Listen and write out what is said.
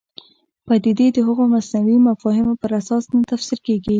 پدیدې د هغو مصنوعي مفاهیمو پر اساس نه تفسیر کېږي.